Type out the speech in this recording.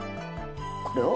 これを？